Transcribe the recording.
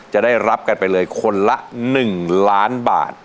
จะได้รับกันไปเลยคนละ๑ล้านบาท